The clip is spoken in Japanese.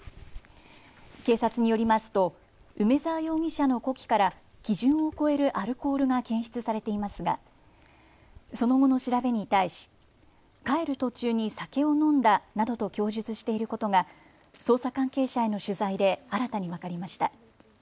警察によりますと梅澤容疑者の呼気から基準を超えるアルコールが検出されていますがその後の調べに対し帰る途中に酒を飲んだなどと供述していることが捜査関係者への取材で新たに分かりました。